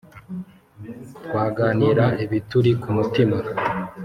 twaganira ibituri ku mutima